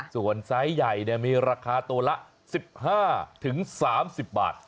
ส่วนไซส์ใหญ่มีราคาตัวละ๑๕๓๐บาท